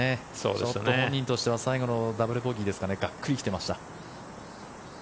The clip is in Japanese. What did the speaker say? ちょっと本人としては最後のダブルボギーでがっくり来ていました。